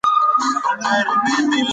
د ورزش شدت د فایبر ډول ټاکي.